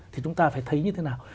thì chúng ta phải thấy như thế nào